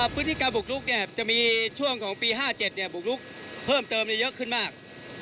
พื้นที่การบุกลุกจะมีช่วงของปี๕๗บุกลุกเพิ่มเติมเยอะขึ้นมาก